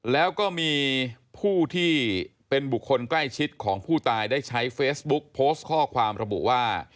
แล้วก็มีผู้ที่เป็นบุคคลใกล้ชิดของผู้ตายได้ใช้เฟซบุ๊กโพสต์ข้อความระบุว่า